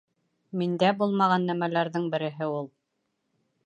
Миндә булмаған нәмәләрҙең береһе ул.